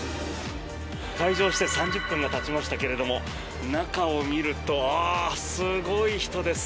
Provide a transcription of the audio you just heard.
開場して３０分がたちましたけれども中を見るとああ、すごい人です。